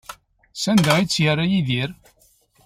Sanda ay tt-yerra Yidir?